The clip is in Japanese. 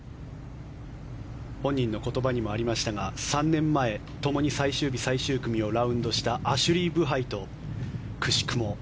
本人の言葉にもありましたが３年前、ともに最終日、最終組をラウンドしたアシュリー・ブハイとくしくも